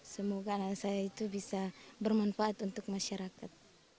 semoga anak saya itu bisa bermanfaat untuk masyarakat